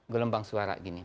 gelembang suara gini